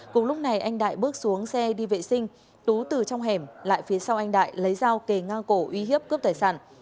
cùng lúc này anh đại bước xuống xe đi vệ sinh tú từ trong hẻm lại phía sau anh đại lấy dao kề ngang cổ uy hiếp cướp tài sản